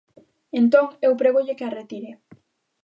Entón, eu prégolle que a retire.